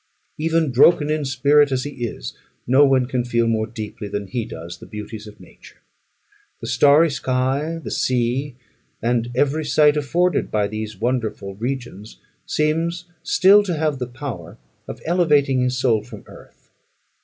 Even broken in spirit as he is, no one can feel more deeply than he does the beauties of nature. The starry sky, the sea, and every sight afforded by these wonderful regions, seems still to have the power of elevating his soul from earth.